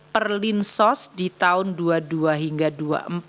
perlinsos di tahun dua ribu dua puluh dua hingga dua ribu dua puluh empat